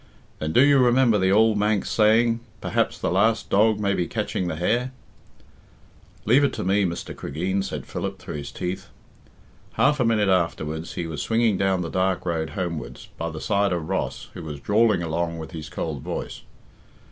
"Then do you remember the ould Manx saying, 'Perhaps the last dog may be catching the hare?'" "Leave it to me, Mr. Cregeen," said Philip through his teeth. Half a minute afterwards he was swinging down the dark road homewards, by the side of Ross, who was drawling along with his cold voice.